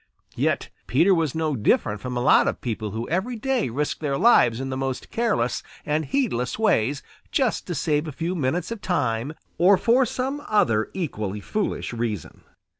Yet Peter was no different from a lot of people who every day risk their lives in the most careless and heedless ways just to save a few minutes of time or for some other equally foolish reason.